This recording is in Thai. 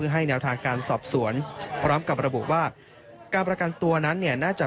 ให้แนวทางการสอบสวนพร้อมกับระบุว่าการประกันตัวนั้นเนี่ยน่าจะ